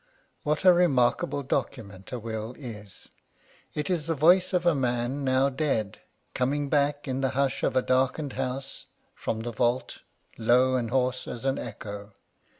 What a remarkable document a will is ! It is the voice of a man now dead, coming back in the 40 Strange Wills hush of a darkened house — from the vault, low and hoarse as an echo.